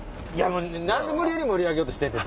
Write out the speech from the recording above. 何で無理やり盛り上げようとしてんねん！